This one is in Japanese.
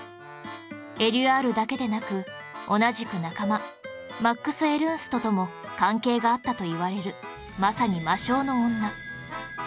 エリュアールだけでなく同じく仲間マックス・エルンストとも関係があったといわれるまさに魔性の女